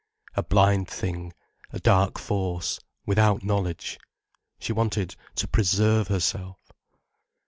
A blind thing, a dark force, without knowledge. She wanted to preserve herself.